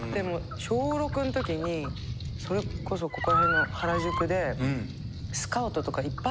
小６のときにそれこそここら辺の原宿でスカウトとかいっぱいあったんですよ。